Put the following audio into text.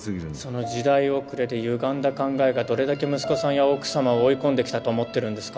その時代遅れでゆがんだ考えがどれだけ息子さんや奥様を追い込んできたと思ってるんですか？